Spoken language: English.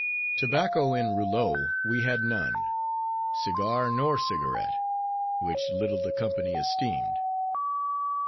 Tobacco in rouleaus we had none; cigar nor cigarret; which little the company esteemed.